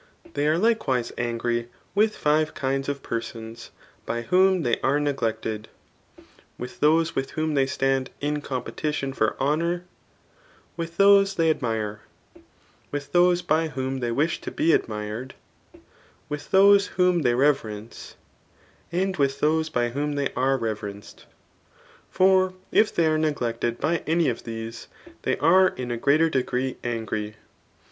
They are likewise angry }06 TH£ ART 9? ,BO!0i9i li* wkh five kinds of pmaos hj wbom ib^ are ii^g|eaed ; wkh diDse with whom they €tan4 i^ coopetitioa for honour ; with those they admire ; with those by whom they wish to be admired ; with those whom they reve rence; and with those by whom they are reverenced* For if they are neglected by any of the^ they are in a greater degree angry.